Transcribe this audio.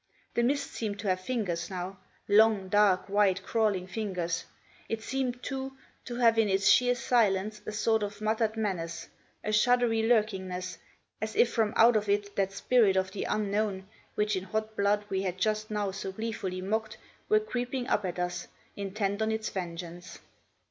The mist seemed to have fingers now, long, dark white, crawling fingers; it seemed, too, to have in its sheer silence a sort of muttered menace, a shuddery lurkingness, as if from out of it that spirit of the unknown, which in hot blood we had just now so gleefully mocked, were creeping up at us, intent on its vengeance.